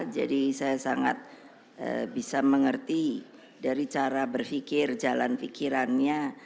jadi saya sangat bisa mengerti dari cara berpikir jalan pikirannya